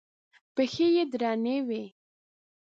پښې یې درنې وې.